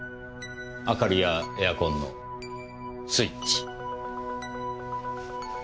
明かりやエアコンのスイッチ。